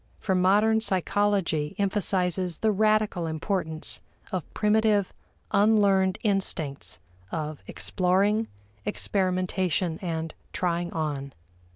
For modern psychology emphasizes the radical importance of primitive unlearned instincts of exploring, experimentation, and "trying on."